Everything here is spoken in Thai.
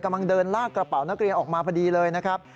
กำลังเดินลากกระเป๋านักเรียนออกมาพอดีเลยนะครับ